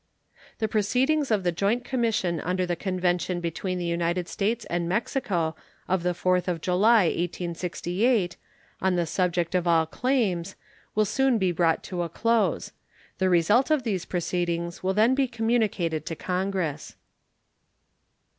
The proceedings of the joint commission under the convention between the United States and Mexico of the 4th of July, 1868, on the subject of claims, will soon be brought to a close. The result of those proceedings will then be communicated to Congress.